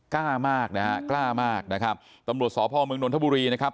กล้ามากนะฮะกล้ามากนะครับตำรวจสพเมืองนทบุรีนะครับ